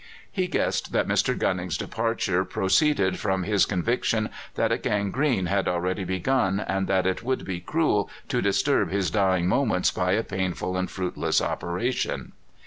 He guessed that Mr. Gunning's departure proceeded from his conviction that a gangrene had already begun, and that it would be cruel to disturb his dying moments by a painful and fruitless operation.